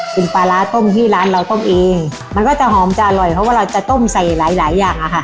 เป็นปลาร้าต้มที่ร้านเราต้มเองมันก็จะหอมจะอร่อยเพราะว่าเราจะต้มใส่หลายหลายอย่างอะค่ะ